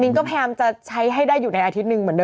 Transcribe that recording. พี่โอ๊คบอกว่าเขินถ้าต้องเป็นเจ้าภาพเนี่ยไม่ไปร่วมงานคนอื่นอะได้